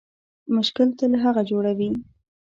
مشکل تل هغه جوړوي